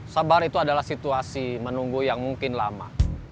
sabar itu adalah situasi menunggu yang mungkin lama